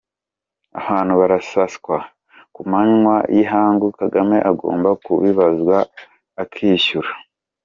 -Abantu barasaswa ku manywa y’ ihangu, Kagame agomba kubibazwa akishyura.